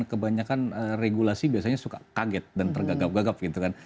kebanyakan regulasi biasanya suka kaget dan tergagap gagap gitu kan